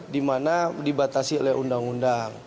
dimana dibatasi oleh undang undang